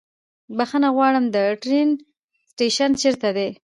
بښنه غواړم، د ټرين سټيشن چيرته ده؟